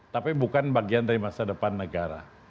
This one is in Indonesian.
tapi bukan bagian dari masa depan negara